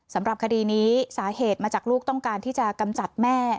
สำหรับคดีนี้สาเหตุมาจากลูกต้องการที่จะกำจัดแม่